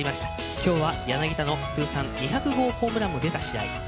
きょうは柳田の２００号通算ホームランも出た試合